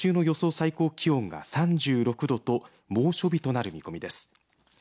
最高気温が３６度と猛暑日となる見込みです。